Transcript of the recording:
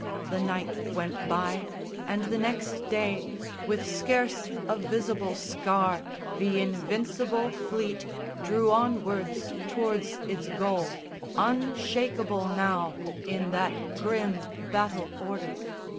The night went by, and the next day, With scarce a visible scar the Invincible Fleet Drew onwards tow'rds its goal, unshakeable now In that grim battle order.